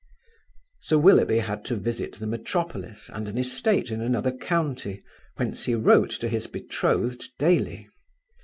Sir Willoughby had to visit the metropolis and an estate in another county, whence he wrote to his betrothed daily.